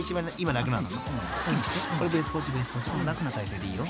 ［楽な体勢でいいよ］